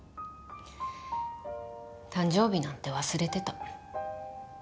誕生日なんて忘れてた。